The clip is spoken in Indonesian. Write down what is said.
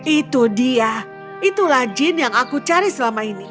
itu dia itulah jin yang aku cari selama ini